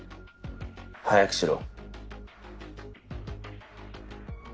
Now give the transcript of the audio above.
早くしろ。